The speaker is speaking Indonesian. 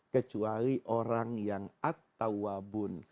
kecuali orang yang atta ibn